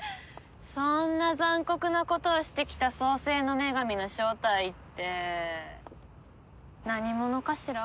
そんな残酷なことをしてきた創世の女神の正体って何者かしら？